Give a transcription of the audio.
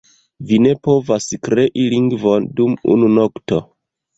Vi ne povas krei lingvon dum unu nokto.